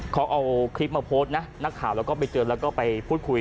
เขาเอาคลิปมาโพสต์นะนักข่าวแล้วก็ไปเจอแล้วก็ไปพูดคุย